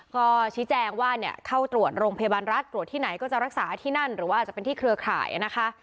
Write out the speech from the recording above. ก็ชี้แจงว่าเข้าตรวจโรงพยาบาลรัฐตรวจที่ไหนก็จะรักษาที่นั่นหรือว่าอาจจะเป็นที่เครือข่ายนะคะ